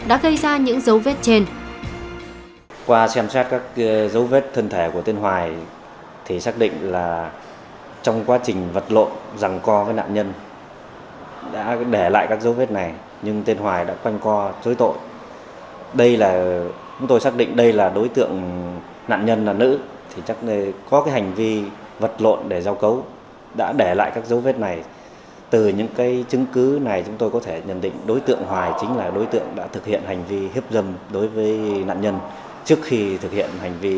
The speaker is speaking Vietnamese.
đã gây ra những dấu vết trên